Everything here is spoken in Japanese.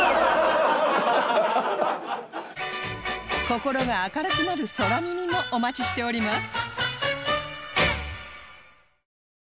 心が明るくなる空耳もお待ちしております